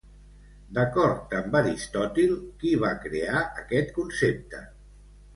D'acord amb Aristòtil, qui va crear aquest concepte?